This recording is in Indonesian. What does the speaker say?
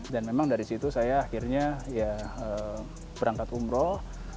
dan memang dari situ saya akhirnya ya berangkat umroh